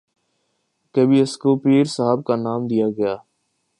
کبھی اسکو پیر صاحب کا نام دیا گیا